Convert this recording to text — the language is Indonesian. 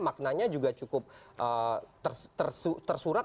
maknanya juga cukup tersurat